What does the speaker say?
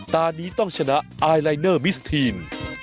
ตอนนี้ต้องชนะไอลายเนอร์มิสทีน